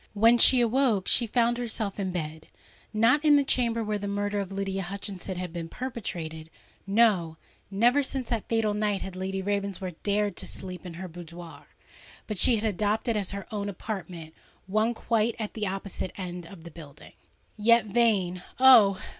When she awoke, she found herself in bed,—not in the chamber where the murder of Lydia Hutchinson had been perpetrated: no—never since that fatal night had Lady Ravensworth dared to sleep in her boudoir;—but she had adopted as her own apartment, one quite at the opposite end of the building. Yet, vain—oh!